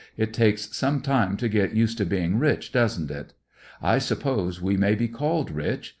It takes some time to get used to being rich, doesn't it? I suppose we may be called rich.